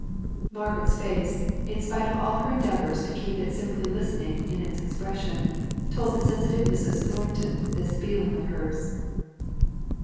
Margaret's face, in spite of all her endeavours to keep it simply listening in its expression, told the sensitive Mrs. Thornton this feeling of hers.